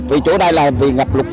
vì chỗ đây là vì ngập lụt